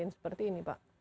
seperti ini pak